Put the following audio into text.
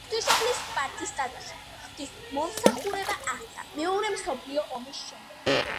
ღვთისმშობლის კვართის ტაძარში ღვთისმსახურება აღსდგა მეორე მსოფლიო ომის შემდეგ.